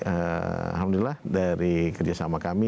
alhamdulillah dari kerjasama kami